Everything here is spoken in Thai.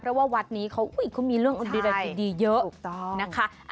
เพราะว่าวัดนี้เขามีเรื่องดีอะไรดีเยอะนะคะ